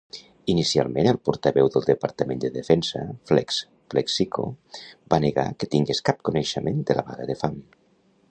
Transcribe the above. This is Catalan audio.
Inicialment, el portaveu del Departament de Defensa, Flex Plexico, va negar que tingués cap coneixement de la vaga de fam.